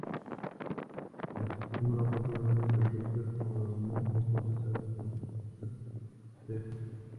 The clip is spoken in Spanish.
El símbolo contiene varias características que muy poco se saben con certeza.